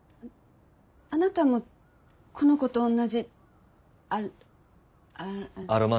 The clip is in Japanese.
あなたもこの子と同じアア。